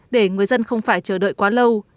để người dân không phải chờ đợi quá lâu